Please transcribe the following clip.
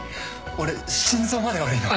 俺心臓まで悪いの？